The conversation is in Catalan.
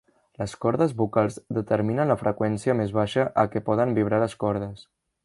Les cordes vocals determinen la freqüència més baixa a què poden vibrar les cordes.